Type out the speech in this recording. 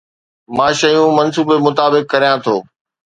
مان شيون منصوبي مطابق ڪريان ٿو